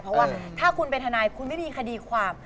เพราะว่าถ้าคุณเป็นทนายคุณไม่มีคดีความ